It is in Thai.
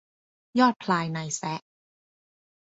ยอดพลายนายแซะ